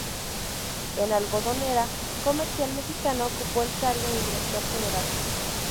En Algodonera Comercial Mexicana ocupó el cargo de Director general.